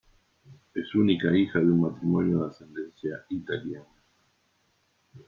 Es única hija de un matrimonio de ascendencia italiana.